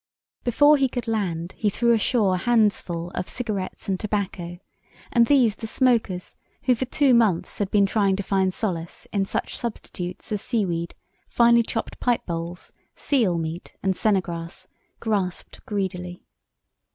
"Before he could land he threw ashore handsful of cigarettes and tobacco; and these the smokers, who for two months had been trying to find solace in such substitutes as seaweed, finely chopped pipe bowls, seal meat, and sennegrass, grasped greedily.